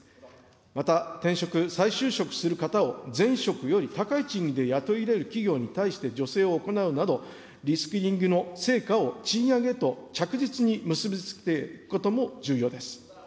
また転職、再就職する方を前職より高い賃金で雇い入れる企業に対して助成を行うなど、リスキリングの成果を賃上げへと着実に結び付けていくことも重要です。